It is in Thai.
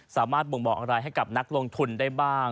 บ่งบอกอะไรให้กับนักลงทุนได้บ้าง